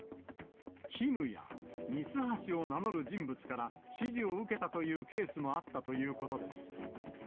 ＫＩＭやミツハシを名乗る人物から、指示を受けたというケースもあったということです。